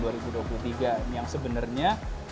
jadi tiga yang sebenarnya